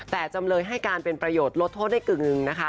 แต่จำเลยให้การเป็นประโยชน์ลดโทษได้กึ่งหนึ่งนะคะ